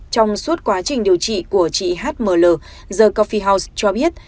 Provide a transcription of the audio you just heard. trong suốt quá trình điều trị của chị h m l the coffee house cho biết